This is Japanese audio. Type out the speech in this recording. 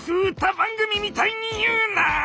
番組みたいに言うな！